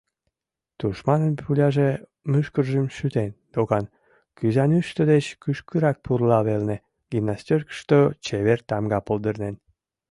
Тушманын пуляже мӱшкыржым шӱтен, докан: кӱзанӱштӧ деч кӱшкырак пурла велне, гимнастёркышто, чевер тамга пылдырнен.